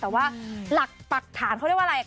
แต่ว่าหลักปรักฐานเขาเรียกว่าอะไร